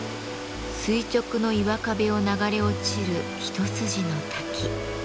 垂直の岩壁を流れ落ちる一筋の滝。